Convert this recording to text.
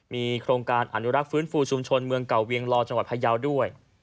มีโครงการอนุรักษ์ฟื้นฟูชุมชนเมืองเก่าเวียงลอจังหวัดพยาวด้วย